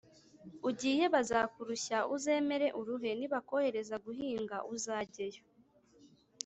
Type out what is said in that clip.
ugiye bazakurushya uzemere uruhe Nibakohereza guhinga uzageyo